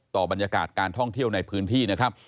บรรยากาศการท่องเที่ยวในพื้นที่นะครับ